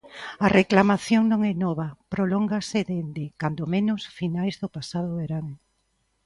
A reclamación non é nova, prolóngase dende, cando menos, finais do pasado verán.